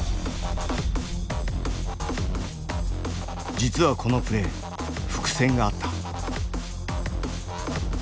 実はこのプレー伏線があった。